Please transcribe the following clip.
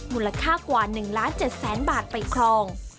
มูลค่ากว่า๑ล้าน๗แสนบาทไปครอง